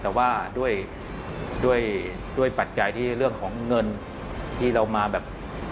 แต่ว่าด้วยปัจจัยที่เรื่องของเงินที่เรามาแบบ